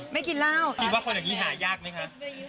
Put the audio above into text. ไม่กินราวคิดว่าคนอย่างนี้หายากมั้ยคะ